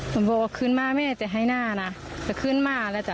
มันบอกว่าขึ้นมาแม่แต่ไถ่หน้าน่ะแล้วขึ้นมาแล้วจ้ะ